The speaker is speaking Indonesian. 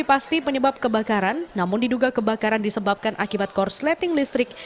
pasti penyebab kebakaran namun diduga kebakaran disebabkan akibat korsleting listrik